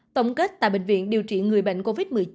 tổng kết tại bệnh viện điều trị người bệnh covid một mươi chín